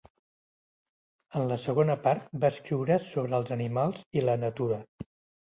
En la segona part, va escriure sobre els animals i la natura.